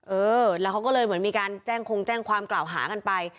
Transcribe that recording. เออแล้วเขาก็เลยเหมือนมีการแจ้งคงแจ้งความกล่าวหากันไป